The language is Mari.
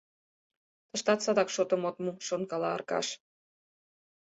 «Тыштат садак шотым от му, — шонкала Аркаш.